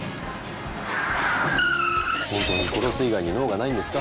本当に殺す以外に能がないんですか？